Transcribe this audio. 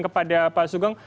kepada pak sugeng